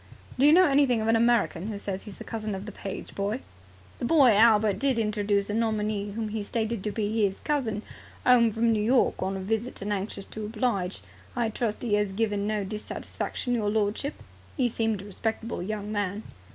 "Do you know anything of an American who says he is the cousin of the page boy?" "The boy Albert did introduce a nominee whom he stated to be 'is cousin 'ome from New York on a visit and anxious to oblige. I trust he 'as given no dissatisfaction, your lordship? He seemed a respectable young man."